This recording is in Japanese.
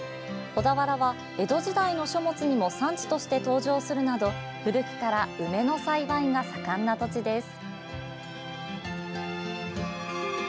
小田原は、江戸時代の書物にも産地として登場するなど古くから梅の栽培が盛んな土地です。